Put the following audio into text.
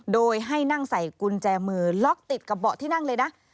โดยให้นั่งใส่กุญแจมือล็อกติดกับเบาะที่นั่งเลยนะ